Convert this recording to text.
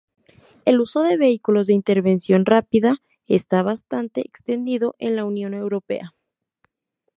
El uso de vehículos de intervención rápida está bastante extendido en la Unión Europea.